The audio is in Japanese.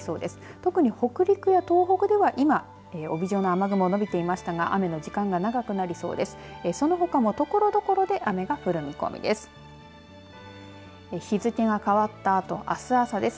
特に北陸や東北では今、帯状の雨雲がのびていましたが雨の時間が長くなりそうです。